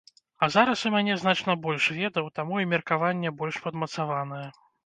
А зараз у мяне значна больш ведаў, таму і меркаванне больш падмацаванае.